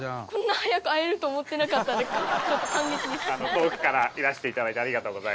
遠くからいらしていただいてありがとうございます。